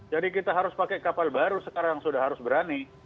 jadi kita harus pakai kapal baru sekarang sudah harus berani